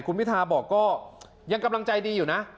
คุณพิทาบอกก็ยังกำลังใจดีอยู่นะ